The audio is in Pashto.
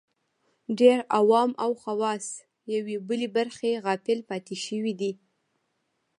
ډېر عوام او خواص یوې بلې برخې غافل پاتې شوي دي